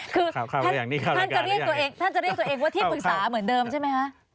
คือท่านจะเรียกตัวเองว่าที่ปรึกษาเหมือนเดิมใช่ไหมคะ